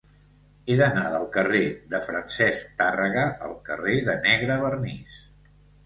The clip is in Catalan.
He d'anar del carrer de Francesc Tàrrega al carrer de Negrevernís.